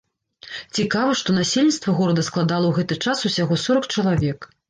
Цікава, што насельніцтва горада складала ў гэты час усяго сорак чалавек.